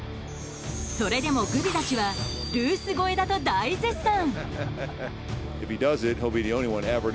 それでもグビザ氏はルース超えだと大絶賛。